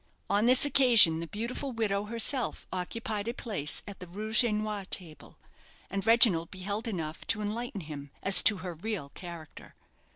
On this occasion the beautiful widow herself occupied a place at the rouge et noir table, and Reginald beheld enough to enlighten him as to her real character.